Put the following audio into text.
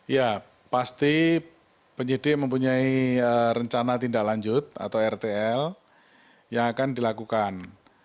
ya pasti penyidik mempunyai rencana tindak lanjut atau rtl yang akan dilakukan